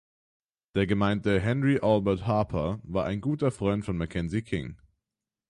Der gemeinte Henry Albert Harper war ein guter Freund von Mackenzie King.